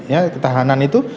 ya ketahanan itu